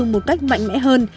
một cách mạnh mẽ hơn